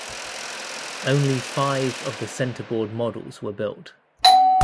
Only five of the centerboard models were built.